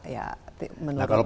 ya menurut pak sultan